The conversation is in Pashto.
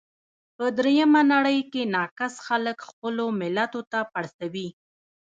په درېیمه نړۍ کې ناکس خلګ خپلو ملتو ته پړسوي.